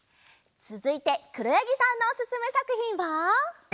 つづいてくろやぎさんのおすすめさくひんは。